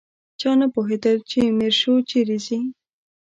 چا نه پوهېدل چې میرشو چیرې ځي.